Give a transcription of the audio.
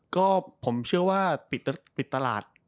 ก็ผมเชื่อว่าปิดตลาด